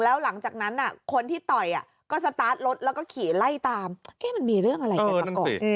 แล้วหลังจากนั้นคนที่ต่อยก็สตาร์ทรถแล้วก็ขี่ไล่ตามมันมีเรื่องอะไรกันมาก่อน